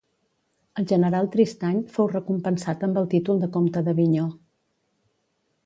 El general Tristany fou recompensat amb el títol de comte d'Avinyó.